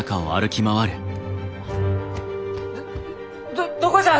どどこじゃ？